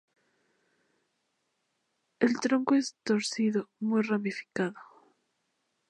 El tronco es torcido, muy ramificado.